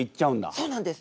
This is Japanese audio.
そうなんです！